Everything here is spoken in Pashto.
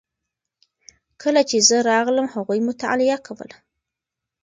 کله چې زه راغلم هغوی مطالعه کوله.